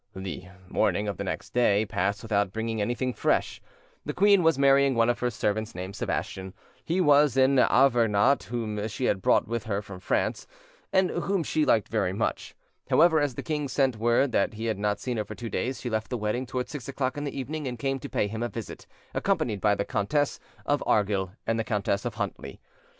The morning of the next day passed without bringing anything fresh. The queen was marrying one of her servants named Sebastian: he was an Auvergnat whom she had brought with her from France, and whom she liked very much. However, as the king sent word that he had not seen her for two days, she left the wedding towards six o'clock in the evening, and came to pay him a visit, accompanied by the Countess of Argyll and the Countess of Huntly.